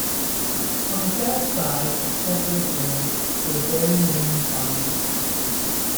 On the south side of Chedworth Road stood Berry Lane Farm.